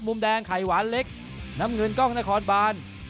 มุมแดงไข่หวานเล็กน้ำเงินกล้องนครบาน